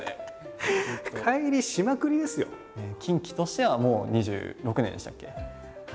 キンキとしてはもう２６年でしたっけ？